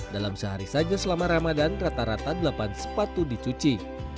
dalam sehari saja selama ramadan rata rata delapan sepatu dicuci